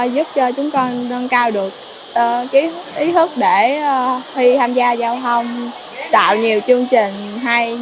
giúp cho chúng con nâng cao được ý thức để khi tham gia giao thông tạo nhiều chương trình hay